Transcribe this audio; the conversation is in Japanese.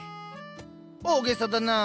大げさだなあ。